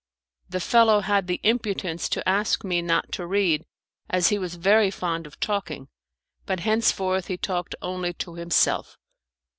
The fellow had the impudence to ask me not to read, as he was very fond of talking, but henceforth he talked only to himself.